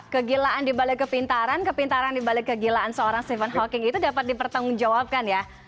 kegilaan dibalik kepintaran kepintaran dibalik kegilaan seorang stephen hawking itu dapat dipertanggungjawabkan ya